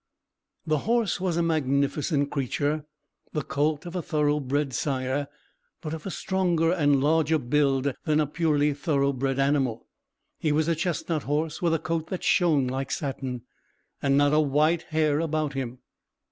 This horse was a magnificent creature; the colt of a thorough bred sire, but of a stronger and larger build than a purely thorough bred animal. He was a chestnut horse, with a coat that shone like satin, and not a white hair about him.